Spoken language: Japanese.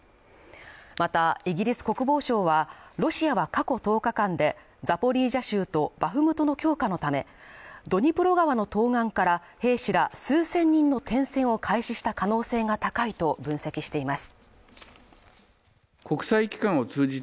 また、イギリス国防省は、ロシアは過去１０日間でザポリージャ州とバフムトの強化のため、ドニプロ川の東岸から兵士ら数千人の転戦を開始した可能性が高いと分析しています。